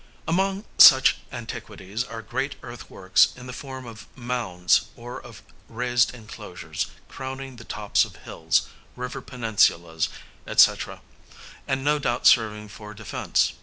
Among such antiquities are great earthworks in the form of mounds, or of raised enclosures, crowning the tops of hills, river peninsulas, &c., and no doubt serving for defence.